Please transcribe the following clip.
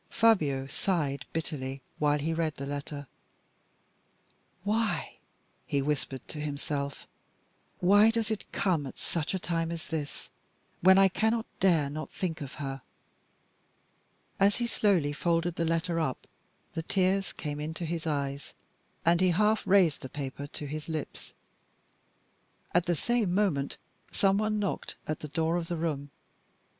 Fabio sighed bitterly while he read the letter. "Why," he whispered to himself, "why does it come at such a time as this, when I cannot dare not think of her?" As he slowly folded the letter up the tears came into his eyes, and he half raised the paper to his lips. At the same moment, some one knocked at the door of the room.